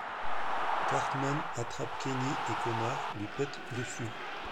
Cartman attrape Kenny et Connard lui pète dessus.